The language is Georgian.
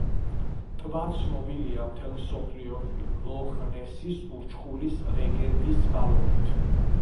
ტბა ცნობილია მთელ მსოფლიოში ლოხ-ნესის ურჩხულის ლეგენდის წყალობით.